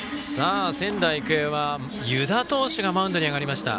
仙台育英は湯田投手がマウンドに上がりました。